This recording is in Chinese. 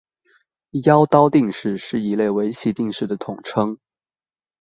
妖刀定式是一类围棋定式的统称。